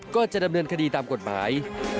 ก็จะดำเนินคดีตามกฎหมาย